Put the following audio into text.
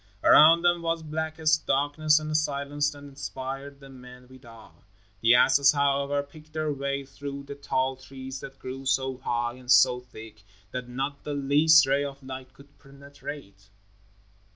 Around them was blackest darkness and a silence that inspired the men with awe. The asses, however, picked their way through the tall trees that grew so high and so thick that not the least ray of light could penetrate.